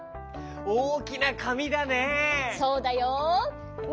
おおきなかみだね。